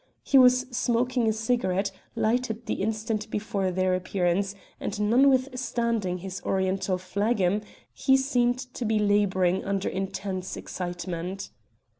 He was smoking a cigarette, lighted the instant before their appearance, and notwithstanding his Oriental phlegm he seemed to be labouring under intense excitement.